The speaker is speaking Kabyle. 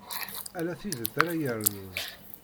Ala tidet ara yernun.